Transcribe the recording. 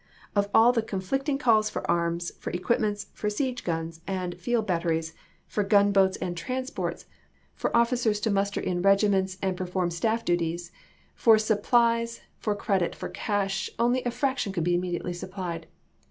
Of all the conflict ing calls for arms, for equipments, for siege guns and field batteries, for gun boats and transports. THE OHIO LINE 205 for officers to muster in regiments and perform c»Ar. x. staff duty, for supplies, for credit, for cash, only a fraction could be immediately supplied.